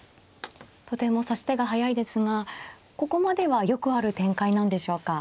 とても指し手が速いですがここまではよくある展開なんでしょうか。